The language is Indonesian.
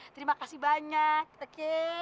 terima kasih banyak